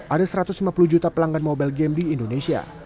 ada satu ratus lima puluh juta pelanggan mobile game di indonesia